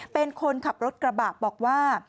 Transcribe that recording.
เป็นคนขับรถกระบะบอกว่า